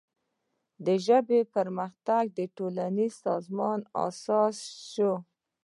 د ژبې پرمختګ د ټولنیز سازمان اساس شو.